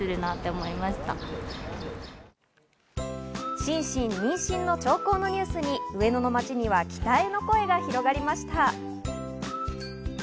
シンシン妊娠の兆候のニュースに上野の街には期待の声が広がりました。